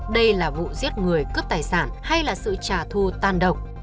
đây là vụ giết người cướp tài sản hay là sự trả thu tan độc